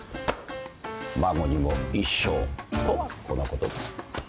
馬子にも衣装とはこのことです。